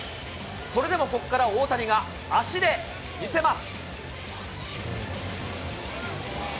それでもここから大谷が足で見せます。